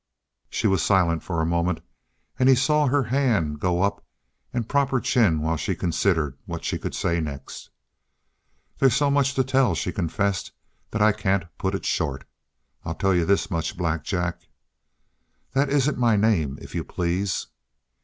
She was silent for a moment, and he saw her hand go up and prop her chin while she considered what she could say next. "They's so much to tell," she confessed, "that I can't put it short. I'll tell you this much, Black Jack " "That isn't my name, if you please."